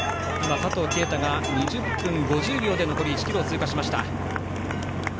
佐藤圭汰が２０分５０秒で残り１ｋｍを通過。